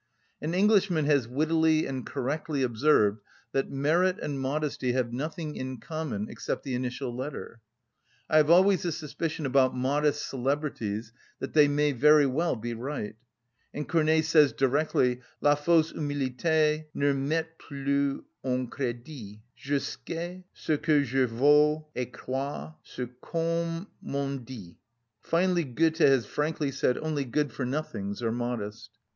An Englishman has wittily and correctly observed that merit and modesty have nothing in common except the initial letter.(22) I have always a suspicion about modest celebrities that they may very well be right; and Corneille says directly— "La fausse humilité ne met plus en crédit: Je sçais ce que je vaux, et crois ce qu'on m'en dit." Finally, Goethe has frankly said, "Only good‐for‐nothings are modest."